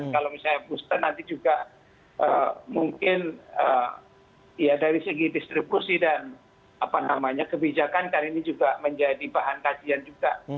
kalau misalnya booster nanti juga mungkin ya dari segi distribusi dan kebijakan kan ini juga menjadi bahan kajian juga